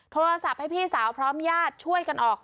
โทรศัพท์ให้พี่สาวพร้อมญาติช่วยกันออก